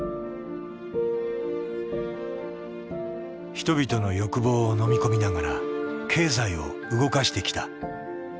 人々の欲望をのみ込みながら経済を動かしてきた。